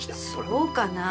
そうかなぁ？